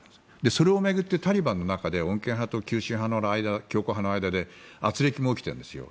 それを巡ってタリバンの中で穏健派と強硬派との間であつれきも起きているんです。